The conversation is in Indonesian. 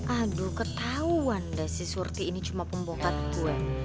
aduh ketauan dah si surti ini cuma pembohonan gue